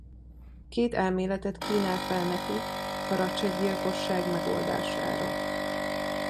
Két elméletet kínál fel nekik a Ratchett-gyilkosság megoldására.